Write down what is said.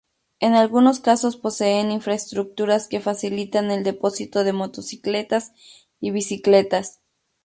En algunos casos poseen infraestructuras que facilitan el depósito de motocicletas y bicicletas.